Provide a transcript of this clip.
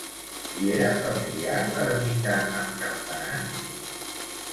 Li era familiar l'ermita amb campanar?